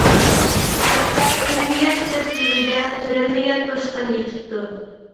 قارىساق ئۈنمىگەن چىغ تۈۋىدە، تۆرەلمىگەن توشقان يېتىپتۇ.